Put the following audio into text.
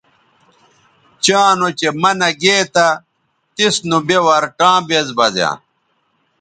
چاں نوچہء منع گے تھا تس نوبے ورٹاں بیز بزیاں